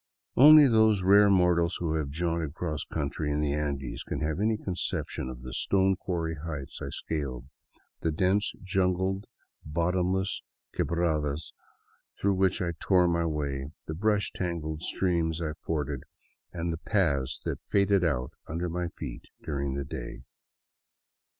Only those rare mortals who have jaunted cross country in the Andes can have any conception of the stone quarry heights I scaled, the dense jungled, bottomless quebradas through which I tore my way, the brush tangled streams I forded, and the paths that faded out under my feet during that day.